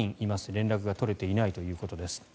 連絡が取れていないということです。